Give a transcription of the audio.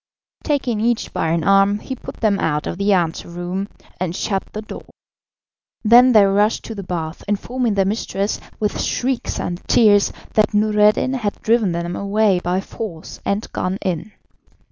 Taking each by an arm, he put them out of the anteroom, and shut the door. Then they rushed to the bath, informing their mistress with shrieks and tears that Noureddin had driven them away by force and gone in.